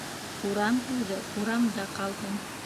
Урам һүҙе урамда ҡалһын.